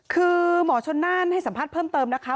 คือหมอชนน่านให้สัมภาษณ์เพิ่มเติมนะคะ